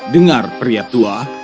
dengar pria tua